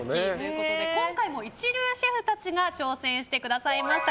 今回も一流シェフたちが挑戦してくださいました。